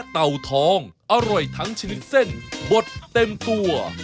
หลิงบริตายืนเสยผมนะผมเห็นนะอ๋อ